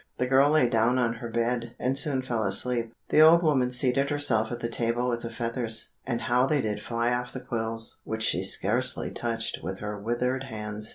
The girl lay down on her bed, and soon fell asleep. The old woman seated herself at the table with the feathers, and how they did fly off the quills, which she scarcely touched with her withered hands!